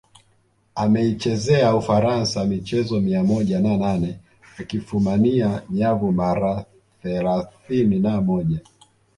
Ameichezea Ufaransa michezo mia moja na nane akifumania nyavu mara thelathini na moja